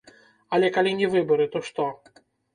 Але калі не выбары, то што?